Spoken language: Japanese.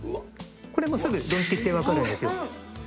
「これもうすぐドンツキってわかるんですよ」